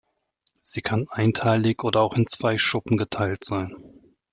Sie kann einteilig oder auch in zwei Schuppen geteilt sein.